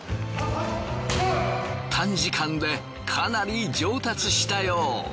短時間でかなり上達したよう。